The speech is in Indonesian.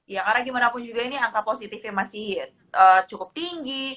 ya karena gimana pun juga ini angka positifnya masih cukup tinggi